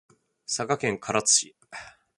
佐賀県唐津市